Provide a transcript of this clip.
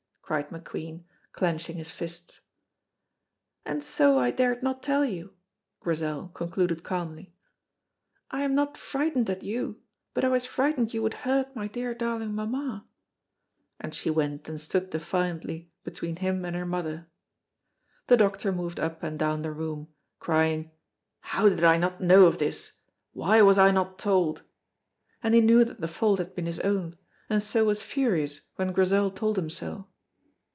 cried McQueen, clenching his fists. "And so I dared not tell you," Grizel concluded calmly; "I am not frightened at you, but I was frightened you would hurt my dear darling mamma," and she went and stood defiantly between him and her mother. The doctor moved up and down the room, crying, "How did I not know of this, why was I not told?" and he knew that the fault had been his own, and so was furious when Grizel told him so.